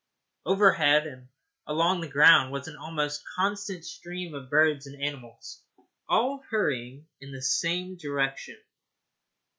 Overhead and along the ground was an almost constant stream of birds and animals, all hurrying in the same direction.